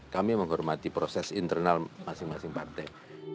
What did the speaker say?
kami menghormati proses internal masing masing partai